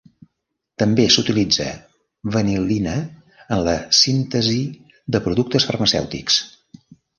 També s'utilitza vanil·lina en la síntesi de productes farmacèutics.